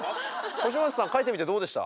星街さん描いてみてどうでした？